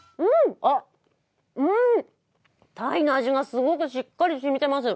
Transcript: うん、たいの味がすごくしっかりしみてます。